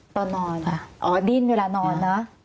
ตอนนอนค่ะอ๋อดิ้นเวลานอนนะ